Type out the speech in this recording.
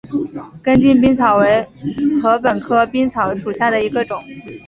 根茎冰草为禾本科冰草属下的一个种。